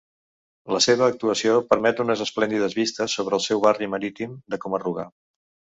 La seva situació permet unes esplèndides vistes sobre el seu barri marítim de Coma-ruga.